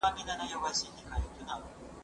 زه اجازه لرم چي ليکنې وکړم؟